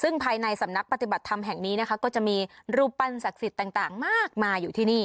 ซึ่งภายในสำนักปฏิบัติธรรมแห่งนี้นะคะก็จะมีรูปปั้นศักดิ์สิทธิ์ต่างมากมายอยู่ที่นี่